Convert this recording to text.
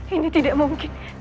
ini tidak mungkin